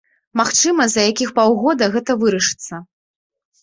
Магчыма, за якіх паўгода гэта вырашыцца.